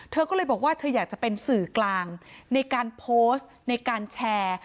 เธอก็เลยบอกว่าเธออยากจะเป็นสื่อกลางในการโพสต์ในการแชร์